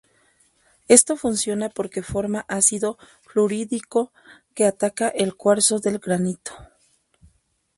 Esto funciona porque forma ácido fluorhídrico, que ataca el cuarzo del granito.